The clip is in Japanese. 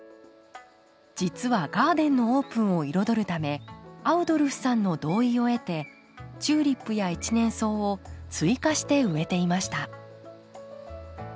実はガーデンのオープンを彩るためアウドルフさんの同意を得てチューリップや一年草を追加して植えていました。